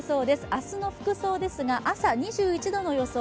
明日の服装ですが、朝２１度の予想